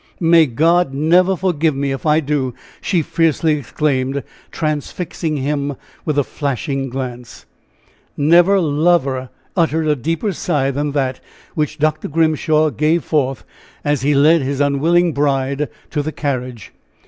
"May God never forgive me if I do!" she fiercely exclaimed, transfixing him with a flashing glance. Never lover uttered a deeper sigh than that which Dr. Grimshaw gave forth as he led his unwilling bride to the carriage.